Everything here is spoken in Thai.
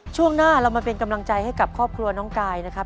ช่วงหน้าเรามาเป็นกำลังใจให้กับครอบครัวน้องกายนะครับ